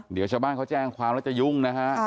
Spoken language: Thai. เดี๋ยวชาวบ้านเขาแจ้งความแล้วจะยุ่งนะฮะ